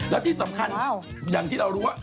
แล้วที่สำคัญอย่างที่เรารู้ว่า